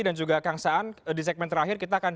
dan juga kang saan di segmen terakhir kita akan